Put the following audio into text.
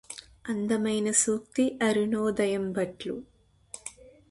అందమైన సూక్తి అరుణోదయంబట్లు